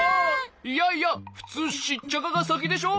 いやいやふつうシッチャカがさきでしょ？